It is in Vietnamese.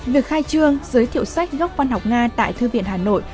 việc khai trương giới thiệu sách gốc văn học nga tại thư viện hà nội